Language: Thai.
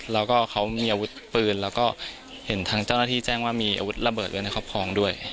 แล้วก็เขามีอาวุธปืนแล้วก็เห็นทางเจ้าหน้าที่แจ้งว่ามีอาวุธระเบิดไว้ในครอบครองด้วย